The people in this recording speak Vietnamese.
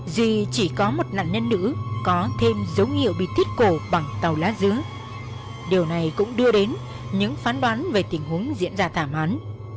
duy chỉ có một nạn nhân nữ có thêm dấu hiệu bị thiết cổ bằng tàu lá dứa điều này cũng đưa đến những phán đoán về tình huống diễn ra tản